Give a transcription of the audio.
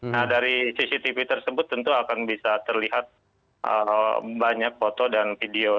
nah dari cctv tersebut tentu akan bisa terlihat banyak foto dan video